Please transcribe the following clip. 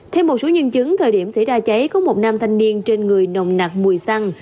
thêm một số nhân chứng thời điểm xảy ra cháy có một nam thanh niên trên người nồng nặc mùi xăng